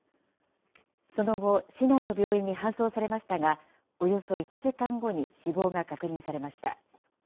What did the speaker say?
その後、市内の病院に搬送されましたが、およそ１時間後に死亡が確認されました。